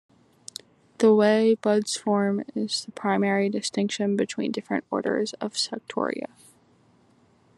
The way buds form is the primary distinction between different orders of suctoria.